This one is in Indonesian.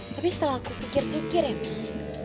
tapi setelah aku pikir pikir ya mas